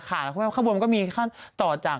ข้างบนมันก็มีต่อจาก